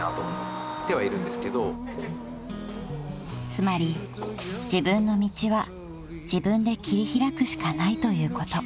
［つまり自分の道は自分で切り開くしかないということ］